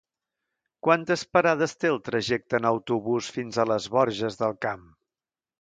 Quantes parades té el trajecte en autobús fins a les Borges del Camp?